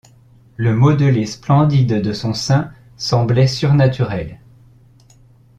Le modelé splendide de son sein semblait surnaturel.